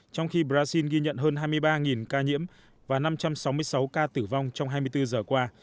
trong khi brazil ghi nhận hơn hai mươi ba ca nhiễm và năm trăm sáu mươi sáu ca tử vong trong hai mươi bốn giờ qua